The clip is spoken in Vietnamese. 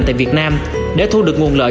tại việt nam để thu được nguồn lợi